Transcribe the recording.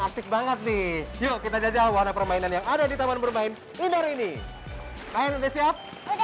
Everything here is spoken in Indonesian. aktif banget nih yuk kita jajal warna permainan yang ada di taman bermain inder ini kaya disiap